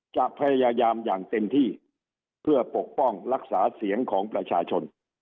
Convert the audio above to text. จะพยายามอย่างเต็มที่เพื่อปกป้องรักษาเสียงของประชาชน